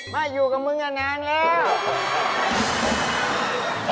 มาอยู่กับมึงนานแล้ว